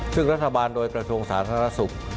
ซึ่งรัฐบาลโดยกระทรวงสาธารณสุข